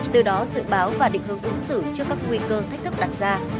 từ đó dự báo và định hướng ứng xử trước các nguy cơ thách thức đặt ra